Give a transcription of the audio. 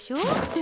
え？